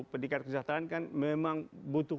pedikat kesehatan kan memang butuh